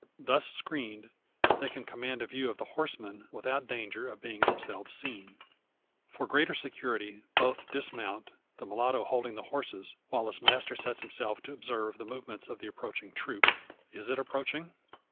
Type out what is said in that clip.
Thus screened, they can command a view of the horsemen, without danger of being themselves seen. For greater security both dismount; the mulatto holding the horses, while his master sets himself to observe the movements of the approaching troop. Is it approaching?